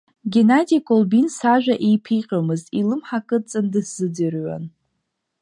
Геннади Колбин сажәа еиԥиҟьомызт, илымҳа кыдҵан дысзыӡырҩуан.